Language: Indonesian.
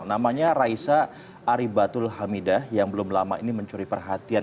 namanya raisa aribatul hamidah yang belum lama ini mencuri perhatian